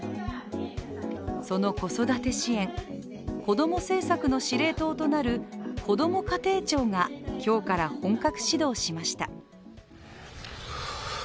その子育て支援、子供政策の司令塔と鳴るこども家庭庁が今日から本格始動しました。